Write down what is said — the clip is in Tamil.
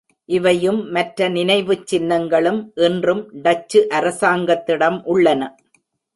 இவையும் மற்ற நினைவுச் சின்னங்களும் இன்றும் டச்சு அரசாங்கத்திடம் உள்ளன.